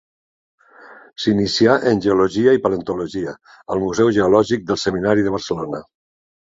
S'inicià en geologia i paleontologia al Museu Geològic del Seminari de Barcelona.